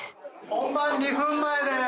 本番２分前です。